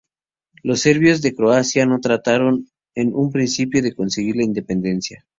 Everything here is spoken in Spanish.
Los serbios de Croacia no trataron en un principio de conseguir la independencia.